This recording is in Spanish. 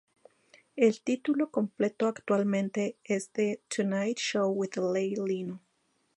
El título completo actualmente es "The Tonight Show with Jay Leno".